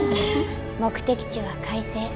目的地は快晴。